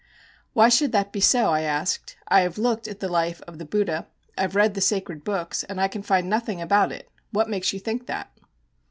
'Why should that be so?' I asked. 'I have looked at the life of the Buddha, I have read the sacred books, and I can find nothing about it. What makes you think that?'